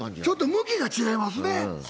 ちょっと向きが違いますね。